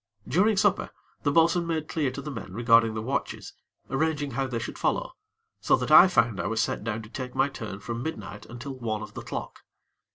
During supper, the bo'sun made clear to the men regarding the watches, arranging how they should follow, so that I found I was set down to take my turn from midnight until one of the clock.